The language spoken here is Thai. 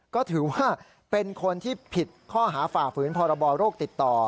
ก็ถือว่าเป็นคนที่ผิดข้อหาฝ่าฝืนพรบโรคติดต่อ